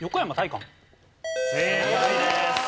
正解です。